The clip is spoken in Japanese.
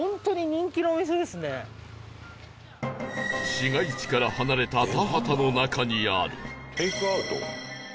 市街地から離れた田畑の中にある